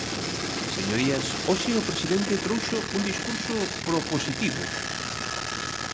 Señorías, hoxe o presidente trouxo un discurso propositivo.